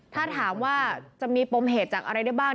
ถ้าถามว่าจะมีปมเหตุจากอะไรได้บ้าง